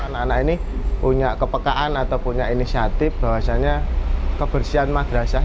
anak anak ini punya kepekaan atau punya inisiatif bahwasanya kebersihan madrasah